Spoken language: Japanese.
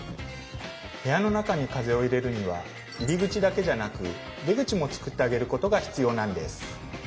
部屋の中に風を入れるには入り口だけじゃなく出口もつくってあげることが必要なんです。